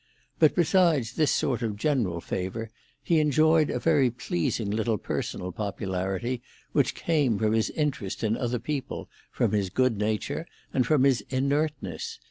But besides this sort of general favour, he enjoyed a very pleasing little personal popularity which came from his interest in other people, from his good nature, and from his inertness.